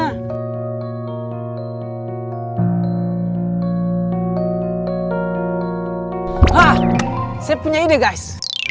hah saya punya ide gus